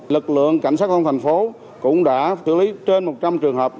lực lượng cảnh sát giao thông thành phố cũng đã xử lý trên một trăm linh trường hợp